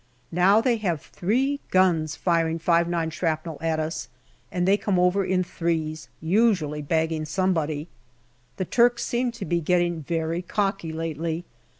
Now they have three guns firing 5*9 shrapnel at us, and they come over in threes, usually bagging somebody. The Turks seem to be getting very cocky lately.